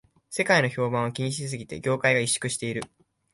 世間の評判を気にしすぎで業界が萎縮している